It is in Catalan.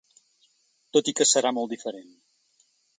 Tot i que serà molt diferent.